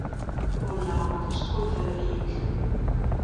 ul labour skol-veuriek